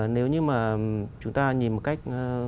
nếu như mà chúng ta nhìn một cách